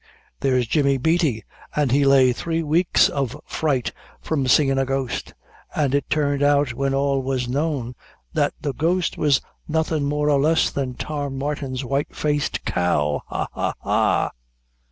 There's Jimmy Beatty, an' he lay three weeks of fright from seein' a ghost, an' it turned out when all was known, that the ghost was nothing more or less than Tom Martin's white faced cow ha! ha! ha!"